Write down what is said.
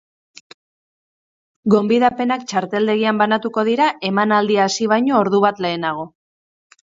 Gonbidapenak txarteldegian banatuko dira emanaldia hasi baino ordu bat lehenago.